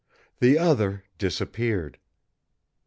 The other disappeared."